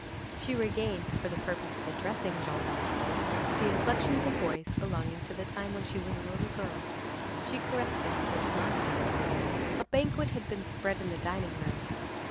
She regained, for the purpose of addressing Jean Valjean, inflections of voice belonging to the time when she was a little girl. She caressed him with her smile. A banquet had been spread in the dining room.